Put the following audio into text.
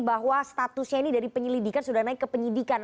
bahwa statusnya ini dari penyelidikan sudah naik ke penyidikan